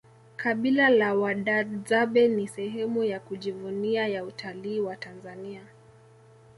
kabila la wadadzabe ni sehemu ya kujivunia ya utalii wa tanzania